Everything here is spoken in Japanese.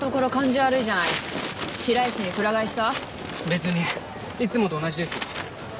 別にいつもと同じですよ。